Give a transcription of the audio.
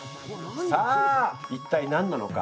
さあ一体何なのか。